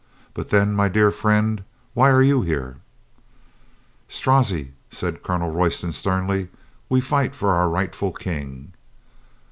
"But then, my dear friend, why are you here?" "Strozzi," said Colonel Royston sternly, "we fight for our rightful King."